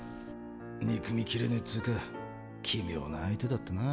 憎みきれねえっつうか奇妙な相手だったな。